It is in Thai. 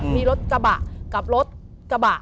มีรถกระบะกับรถกระบะ